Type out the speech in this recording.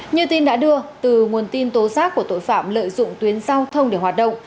như tin đã đưa từ nguồn tin tố giác của tội phạm lợi dụng tuyến giao thông để hoạt động